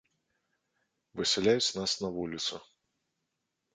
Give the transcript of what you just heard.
Высяляюць нас на вуліцу.